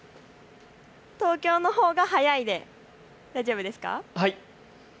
東京のほうが早いで大丈夫ですか。